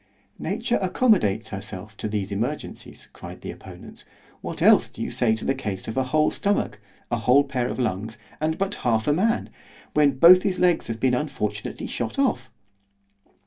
Nature accommodates herself to these emergencies, cried the opponents—else what do you say to the case of a whole stomach—a whole pair of lungs, and but half a man, when both his legs have been unfortunately shot off?